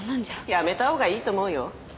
やめたほうがいいと思うよ。